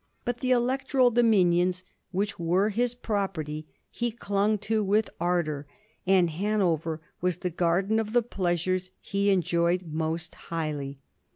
But the electoral dominions, which were his property, he clung to with ar dor, and Hanover was the garden of the pleasures he en joyed most highly.